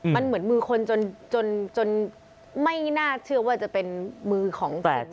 มันเหมือนมือคนจนไม่น่าเชื่อว่าจะเป็นมือของคนไม่มีชีวิต